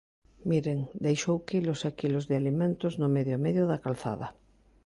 Miren, deixou quilos e quilos de alimentos no medio e medio da calzada.